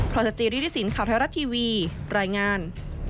พรศจริริสินข่าวแท้วรัฐทีวีรายงาน